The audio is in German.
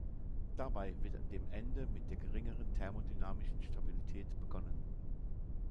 Dabei wird an dem Ende mit der geringeren thermodynamischen Stabilität begonnen.